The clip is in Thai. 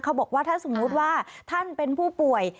เขาบอกว่าถ้าสมมุติว่าท่านเป็นผู้ป่วย